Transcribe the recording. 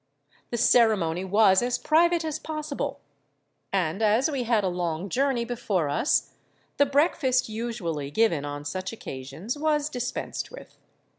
The ceremony was as private as possible; and as we had a long journey before us, the breakfast usually given on such occasions was dispensed with.